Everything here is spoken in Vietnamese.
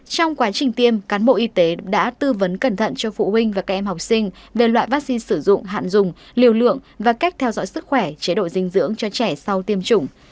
trong quá trình tiêm cán bộ y tế đã tư vấn cẩn thận cho phụ huynh và các em học sinh về loại vaccine sử dụng hạn dùng liều lượng và cách theo dõi sức khỏe chế độ dinh dưỡng cho trẻ sau tiêm chủng